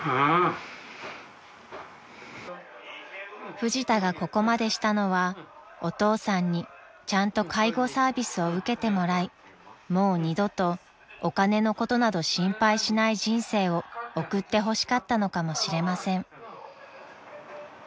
［フジタがここまでしたのはお父さんにちゃんと介護サービスを受けてもらいもう二度とお金のことなど心配しない人生を送ってほしかったのかもしれません］